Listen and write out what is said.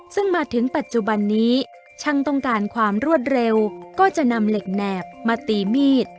ซึ่งมาถึงปัจจุบันนี้ช่างต้องการความรวดเร็วก็จะนำเหล็กแหนบมาตีมีด